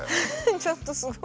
ちょっとすごい。